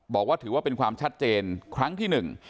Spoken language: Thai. บอกว่าถือว่าเป็นความชัดเจนครั้งที่หนึ่ง